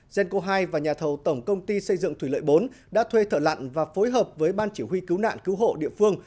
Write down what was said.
genco hai và nhà thầu tổng công ty xây dựng thủy lợi bốn đã thuê thợ lặn và phối hợp với ban chỉ huy cứu nạn cứu hộ địa phương